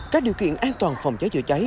các điều kiện an toàn phòng cháy chữa cháy